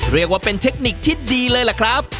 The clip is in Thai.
เรียกว่าเป็นเทคนิคที่ดีเลยล่ะครับ